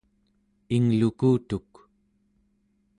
inglukutuk